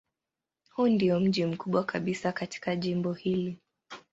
Huu ndiyo mji mkubwa kabisa katika jimbo hili.